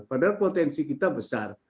padahal potensi kita besar